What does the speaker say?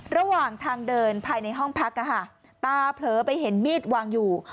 ระหว่างทางเดินภายในห้องพักตาเผลอไปเห็นมีดวางอยู่